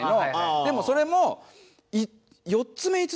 でもそれも。